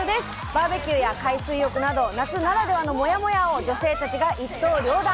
バーベキューや海水浴など夏ならではのもやもやを女性たちが一刀両断。